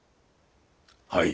はい。